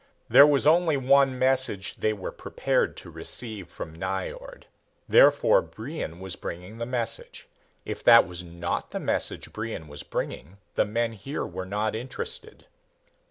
There was only one message they were prepared to receive from Nyjord. Therefore Brion was bringing the message. If that was not the message Brion was bringing the men here were not interested.